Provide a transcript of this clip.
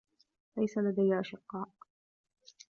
ليس لدي أشقاء.